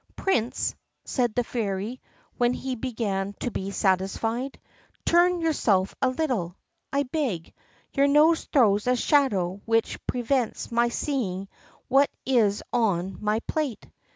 "Prince," said the Fairy, when he began to be satisfied, "turn yourself a little, I beg; your nose throws a shadow which prevents my seeing what is on my plate.